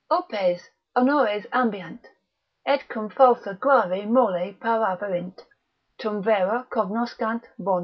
Opes, honores ambiant: Et cum falsa gravi mole paraverint, Tum vera cognoscant bona.